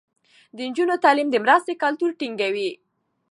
د نجونو تعليم د مرستې کلتور ټينګوي.